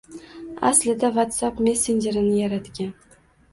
Aslida «Whatsapp» messenjerini yaratgan